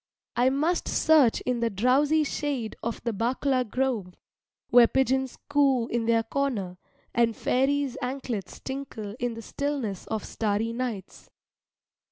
I must search in the drowsy shade of the bakula grove, where pigeons coo in their corner, and fairies' anklets tinkle in the stillness of starry nights.